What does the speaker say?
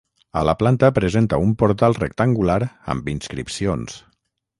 A la planta presenta un portal rectangular amb inscripcions.